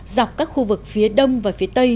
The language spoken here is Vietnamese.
dọc các khu vực phía đông và phía tây